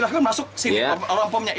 alam pemnya ibunya